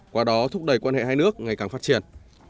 qua đó thúc đẩy quan hệ hai nước ngày càng phát triển